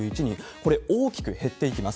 これ、大きく減っていきます。